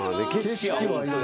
景色はいい。